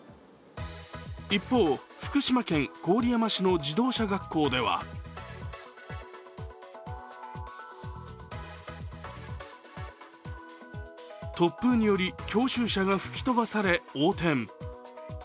一方、福島県郡山市の自動車学校では突風により教習車が吹き飛ばされ、横転。